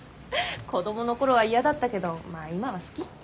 子どもの頃は嫌だったけどまあ今は好き。